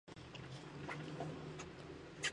Originalmente, el nombre de la oficina era Coya Norte.